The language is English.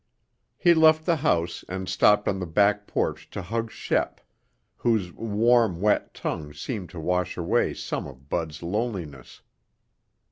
He left the house and stopped on the back porch to hug Shep, whose warm, wet tongue seemed to wash away some of Bud's loneliness.